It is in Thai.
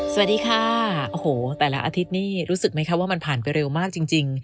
สวัสดีค่ะโอ้โหแต่ละอาทิตย์นี่รู้สึกไหมคะว่ามันผ่านไปเร็วมากจริง